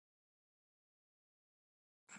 د حقونو درناوی د شخړو مخه نیسي.